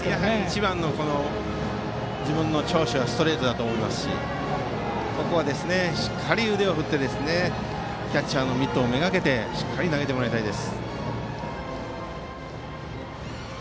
一番の自分の長所はストレートだと思いますししっかり腕を振ってキャッチャーのミットめがけてしっかり投げてもらいたいです。